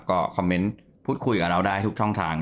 ก็คอมเมนต์พูดคุยกับเราได้ทุกช่องทาง